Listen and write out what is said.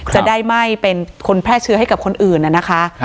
จะได้ไม่เป็นคนแพร่เชื้อให้กับคนอื่นนะคะ